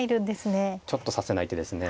これはちょっと指せない手ですね。